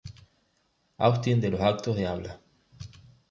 Austin de los actos de habla.